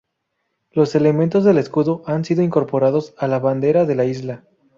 Los elementos del escudo han sido incorporados a la bandera de la isla.